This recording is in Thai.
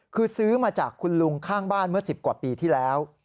คือซื้อมาจากคุณลุงข้างบ้านเมื่อ๑๐กว่าปีที่แล้ว